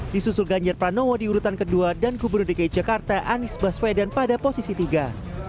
disusul ganjar pranowo diurutan kedua dan gubernur dki jakarta anis baswedan pada posisi tiga